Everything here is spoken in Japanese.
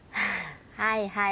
はいはい。